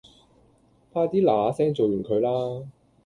快啲拿拿聲做完佢啦